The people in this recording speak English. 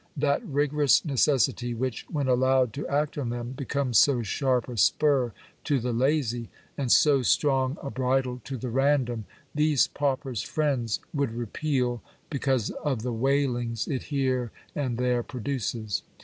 That rigorous necessity which, when allowed to act on them, becomes so sharp a spur to the lazy, and so strong a bridle to the random, these paupers' friends would y 2 Digitized by VjOOQIC / 324 POOR LAWS. repeal, because of the waitings it here and there ptoduces.